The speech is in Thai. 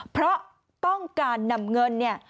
เพราะต้องการนำเงินเนี่ย